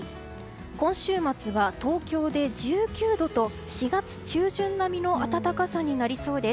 今週末は東京で１９度と４月中旬並みの暖かさになりそうです。